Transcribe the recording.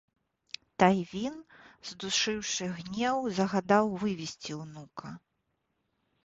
Тайвін, здушыўшы гнеў, загадаў вывесці ўнука.